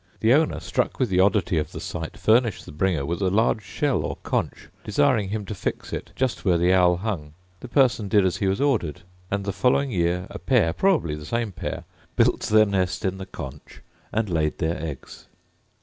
The owner, struck with the oddity of the sight, furnished the bringer with a large shell, or conch, desiring him to fix it just where the owl hung: the person did as he was ordered, and the following year a pair, probably the same pair, built their nest in the conch, and laid their eggs.